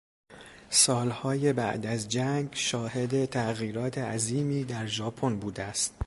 سالهای بعد از جنگ شاهد تغییرات عظیمی در ژاپن بوده است.